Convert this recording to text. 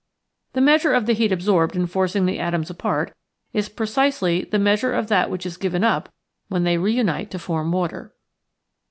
The measure of the heat absorbed in forcing the atoms apart is precisely the meas ure of that which is given up when they re unite to form water.